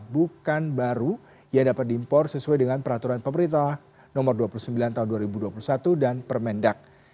bukan baru yang dapat diimpor sesuai dengan peraturan pemerintah nomor dua puluh sembilan tahun dua ribu dua puluh satu dan permendak